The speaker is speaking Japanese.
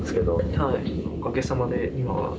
おかげさまで今は。